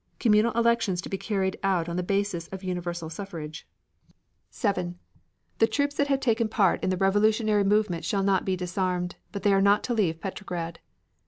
Communal elections to be carried out on the basis of universal suffrage. 7. The troops that have taken part in the revolutionary movement shall not be disarmed, but they are not to leave Petrograd.